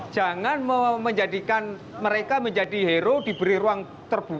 jangan menjadikan mereka menjadi hero diberi ruang terbuka